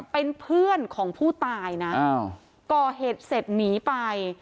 เป็นเพื่อนของผู้ตายนะก่อเหตุเสร็จหนีไป